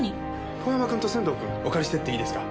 遠山君と仙堂君お借りしてっていいですか？